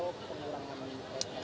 yang tidak ada